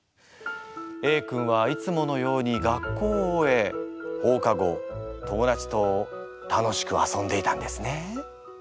Ａ君はいつものように学校を終え放課後友だちと楽しく遊んでいたんですね。